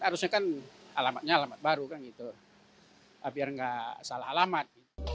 harusnya kan alamatnya alamat baru biar nggak salah alamat